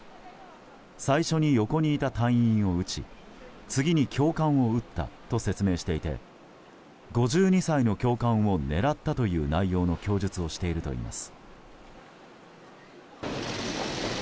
最初に横にいた隊員を撃ち次に教官を撃ったと説明していて５２歳の教官を狙ったという内容の供述をしているといいます。